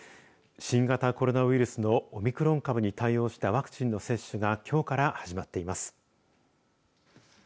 新型コロナウイルスのオミクロン株に対応したワクチンの接種がきょうから始まっています。